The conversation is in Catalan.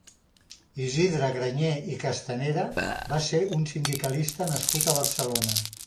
Isidre Grañé i Castanera va ser un sindicalista nascut a Barcelona.